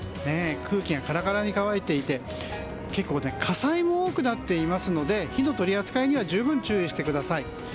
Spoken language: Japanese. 空気がカラカラに乾いていて結構火災も多くなっていますので火の取り扱いには十分注意してください。